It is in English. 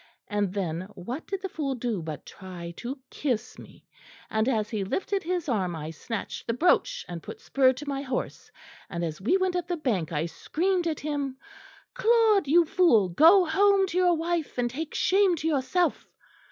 And then what did the fool do but try to kiss me, and as he lifted his arm I snatched the brooch and put spur to my horse, and as we went up the bank I screamed at him, 'Claude, you fool, go home to your wife and take shame to yourself.'